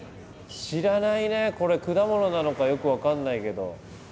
これ果物なのかよく分かんないけど。